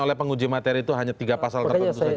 oleh penguji materi itu hanya tiga pasal tertentu saja